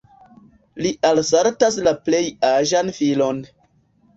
Li alsaltas la plej aĝan filon.